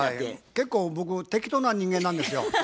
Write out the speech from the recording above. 結構僕適当な人間なんですよ。